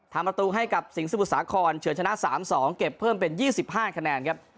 ทำประตูให้กับสิงสมุทรสาครเฉินชนะ๓๒เก็บเพิ่มเป็น๒๕คะแนนครับ